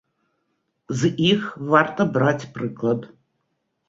З іх варта браць прыклад.